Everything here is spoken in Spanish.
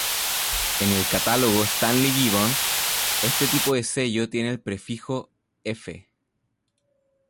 En el catálogo Stanley Gibbons, este tipo de sello tiene el prefijo "F".